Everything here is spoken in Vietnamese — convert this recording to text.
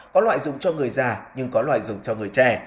có loại dùng cho người già nhưng có loại rừng cho người trẻ